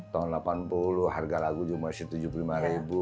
tahun delapan puluh harga lagu juga masih tujuh puluh lima